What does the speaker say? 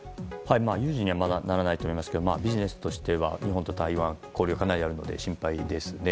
まだ有事にはならないと思いますがビジネスとしては日本と台湾は交流があるので心配ですね。